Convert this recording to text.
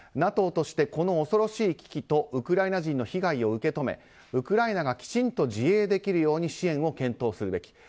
ＮＡＴＯとしてこの恐ろしい危機とウクライナ人の被害を受け止めウクライナがきちんと自衛できるように支援を検討するべき。